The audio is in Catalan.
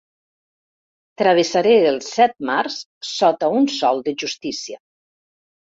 Travessaré els set mars sota un sol de justícia.